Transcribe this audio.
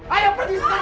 ayo pergi sekarang